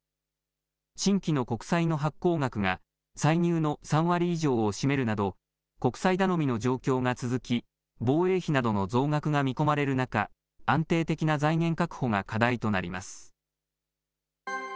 新規の国債の発行額が、歳入の３割以上を占めるなど、国債頼みの状況が続き、防衛費などの増額が見込まれる中、安定的な財源確保が課題となります。